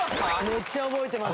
めっちゃ覚えてます。